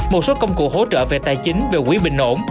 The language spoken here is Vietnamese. một số công cụ hỗ trợ về tài chính về quỹ bình ổn